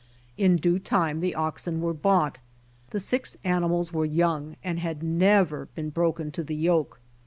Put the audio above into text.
In due time the oxen were bought. The six animals were young and had never been broken, to the yoke.